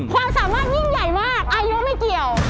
ความสามารถยิ่งใหญ่มากอายุไม่เกี่ยว